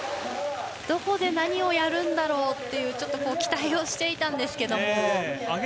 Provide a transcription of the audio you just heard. どこで何をやるんだろうっていう期待をしていたんですけど。